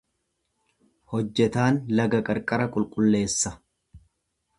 Hojjetaan laga qarqara qulqulleessa.